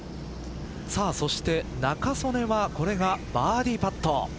そして仲宗根はこれがバーディーパット。